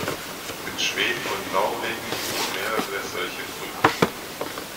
In Schweden und Norwegen gibt es mehrere solche Brücken.